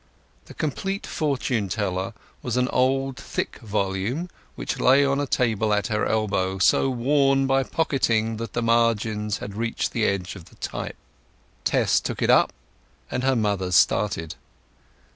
The Compleat Fortune Teller was an old thick volume, which lay on a table at her elbow, so worn by pocketing that the margins had reached the edge of the type. Tess took it up, and her mother started.